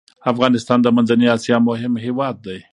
افغانستان د منځنی اسیا مهم هیواد و.